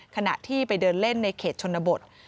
ขณะที่ไปเดินเล่นในเขตชนบท